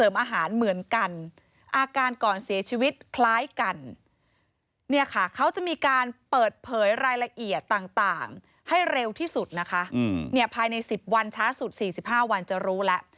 ภายใน๑๐วันช้าสุด๔๕วันจะรู้แล้ว